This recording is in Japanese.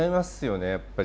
やっぱり。